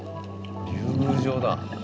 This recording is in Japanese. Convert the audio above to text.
竜宮城だ。